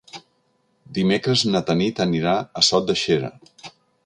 Dimecres na Tanit anirà a Sot de Xera.